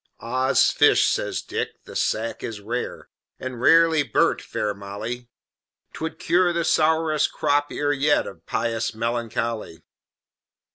"Oddsfish!" says Dick, "the sack is rare, And rarely burnt, fair Molly; 'Twould cure the sourest Crop ear yet Of Pious Melancholy."